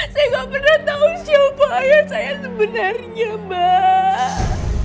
saya gak pernah tau siapa ayah saya sebenarnya mbak